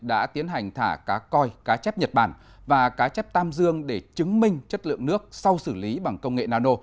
đã tiến hành thả cá coi cá chép nhật bản và cá chép tam dương để chứng minh chất lượng nước sau xử lý bằng công nghệ nano